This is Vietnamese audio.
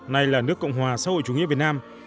nay là nước cộng hòa xã hội chủ nghĩa việt nam